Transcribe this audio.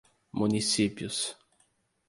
Municípios